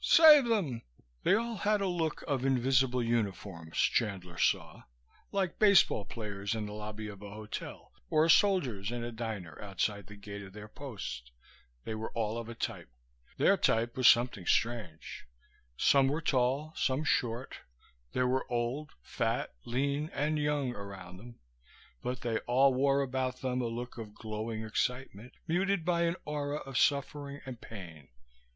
Save them!" They all had a look of invisible uniforms, Chandler saw, like baseball players in the lobby of a hotel or soldiers in a diner outside the gate of their post; they were all of a type. Their type was something strange. Some were tall, some short; there were old, fat, lean and young around them; but they all wore about them a look of glowing excitement, muted by an aura of suffering and pain.